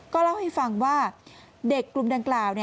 เล่าให้ฟังว่าเด็กกลุ่มดังกล่าว